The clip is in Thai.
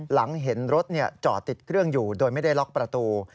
หลังเห็นรถจอดติดเครื่องอยู่โดยไม่ได้ล็อกประตู